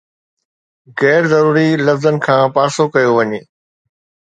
غير ضروري لفظن کان پاسو ڪيو وڃي.